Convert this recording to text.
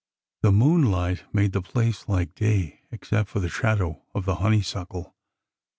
The moonlight made the place like day, except for the shadow of the honeysuckle.